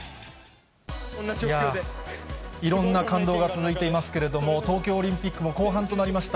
いやぁ、いろんな感動が続いていますけれども、東京オリンピックも後半となりました。